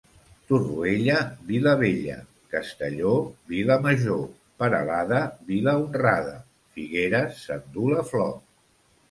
Torroella vila vella; Castelló, vila major; Peralada, vila honrada, Figueres s'endú la flor.